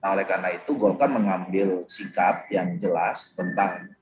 oleh karena itu golkar mengambil sikap yang jelas tentang